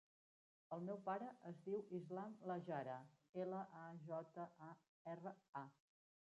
El meu pare es diu Islam Lajara: ela, a, jota, a, erra, a.